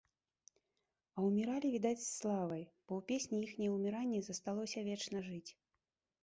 А ўміралі, відаць, з славай, бо ў песні іхняе ўміранне засталося вечна жыць.